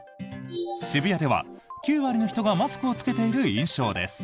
渋谷では９割の人がマスクを着けている印象です。